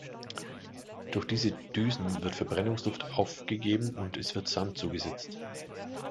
Durch diese Düsen wird Verbrennungsluft aufgegeben und es wird Sand zugesetzt.